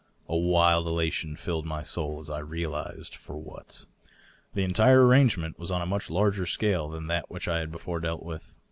.. A wild ela tion filled my soul as I realized for what. The entire arrangement was on a much larger scale than that which* I had before dealt with.